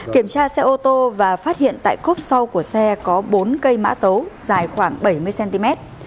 kiểm tra xe ô tô và phát hiện tại cốp sau của xe có bốn cây mã tấu dài khoảng bảy mươi cm